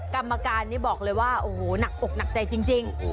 กรรมการนี้บอกเลยว่าโอ้โหหนักอกหนักใจจริง